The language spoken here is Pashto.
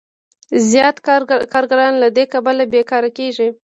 زیات کارګران له دې کبله بېکاره کېږي